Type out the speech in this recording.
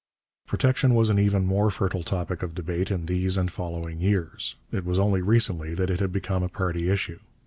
Protection was an even more fertile topic of debate in these and following years. It was only recently that it had become a party issue.